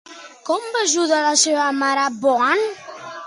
Com va ajudar-lo la seva mare, Boann?